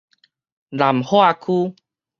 南化區